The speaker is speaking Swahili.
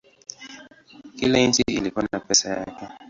Kila nchi ilikuwa na pesa yake.